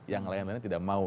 yang lain lainnya tidak mau